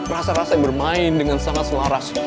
rasa rasa yang bermain dengan sangat selaras